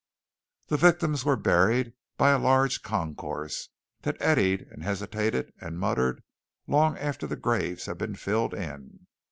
The victims were buried by a large concourse, that eddied and hesitated and muttered long after the graves had been filled in.